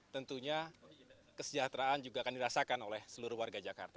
tentunya kesejahteraan juga akan dirasakan oleh seluruh warga jakarta